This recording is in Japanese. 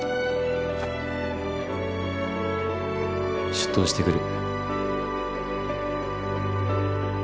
出頭してくる。